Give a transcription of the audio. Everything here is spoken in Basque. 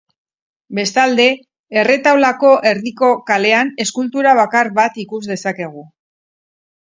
Bestalde, erretaulako erdiko kalean eskultura bakar bat ikus dezakegu.